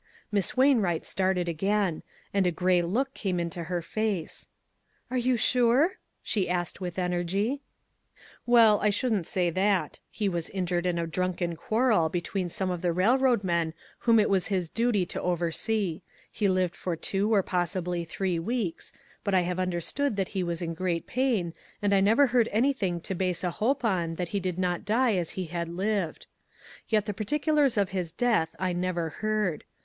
Miss Wain wright started again, and a gray look came into her face. " Are you sure ?" she asked with energy. " Well, I shouldn't say that. He was in jured in a drunken quarrel between some of the railroad men whom it was his duty LOGIC. 119 to oversee ; he lived for two or possibly three weeks, but I have understood that he was in great pain, and I never heard any thing to base a hope on that he did not die as he had lived. Yet the particulars of his death I never heard.